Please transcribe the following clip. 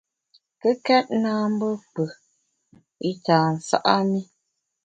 Kùkèt na mbe kpù i tâ nsa’ mi.